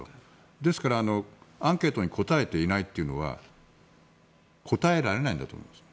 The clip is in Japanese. ですから、アンケートに答えていないというのは答えられないんだと思います。